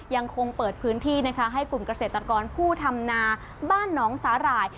ยังคงเปิดพื้นที่นะคะให้กลุ่มเกษตรกรผู้ทำนาบ้านหนองสาหร่าย